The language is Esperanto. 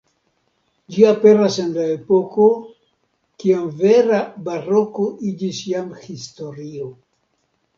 Ĝi aperas en le epoko, kiam vera baroko iĝis jam historio.